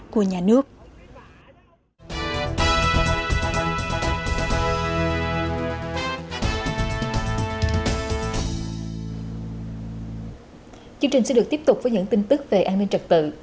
chương trình sẽ được tiếp tục với những tin tức về an ninh trật tự